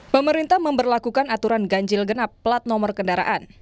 pemerintah memperlakukan aturan ganjil genap plat nomor kendaraan